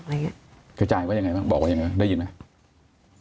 กระจายว่ายังไงบ้างบอกว่ายังไงบ้างได้ยินไหม